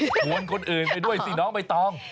ชวนคนอื่นไปด้วยสิน้องใบตอง